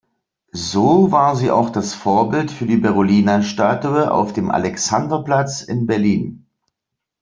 So war sie auch das Vorbild für die Berolina-Statue auf dem Alexanderplatz in Berlin.